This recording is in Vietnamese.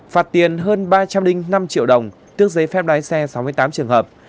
phạt tiền hơn ba trăm linh năm triệu đồng tước giấy phép lái xe sáu mươi tám trường hợp